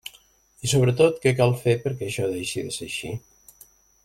I sobretot, ¿què cal fer perquè això deixe de ser així?